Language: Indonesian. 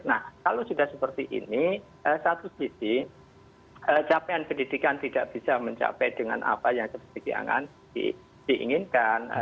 nah kalau sudah seperti ini satu sisi capaian pendidikan tidak bisa mencapai dengan apa yang diinginkan